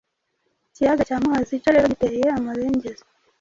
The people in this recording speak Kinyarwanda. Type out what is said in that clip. Ikiyaga cya Muhazi cyo rero giteye amabengeza